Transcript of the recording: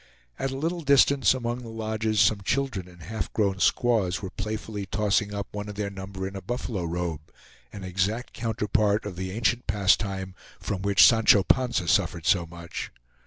At a little distance, among the lodges, some children and half grown squaws were playfully tossing up one of their number in a buffalo robe, an exact counterpart of the ancient pastime from which Sancho Panza suffered so much.